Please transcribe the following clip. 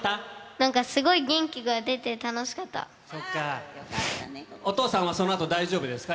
なんかすごい元気が出て楽しそっか。